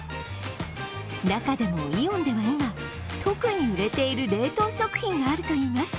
中でもイオンでは今、特に売れている冷凍食品があるといいます。